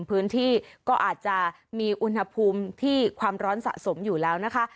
พื้นที่ก็อาจจะมีอุณหภูมิที่ความร้อนสะสมอยู่แล้วนะคะ